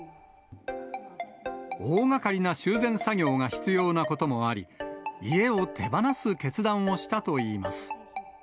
大がかりな修繕作業が必要なこともあり、家を手放す決断をしたといいます。